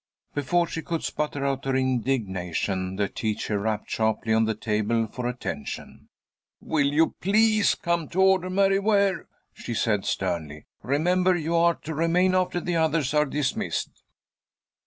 Before she could sputter out her indignation, the teacher rapped sharply on the table for attention. "Will you please come to order, Mary Ware?" she said, sternly. "Remember, you are to remain after the others are dismissed."